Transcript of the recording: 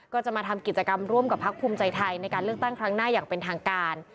ก็จะมาทำกิจกรรมร่วมกับพักภูมิใจไทยในการเลือกตั้งครั้งหน้าอย่างเป็นทางการ